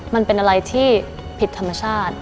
มันเป็นอะไรที่ผิดธรรมชาติ